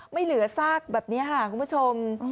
ไม่เหลือซากแบบนี้ค่ะคุณผู้ชม